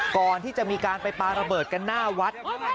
ก่อนที่จะมีการไปปาระเบิดกันหน้าวัด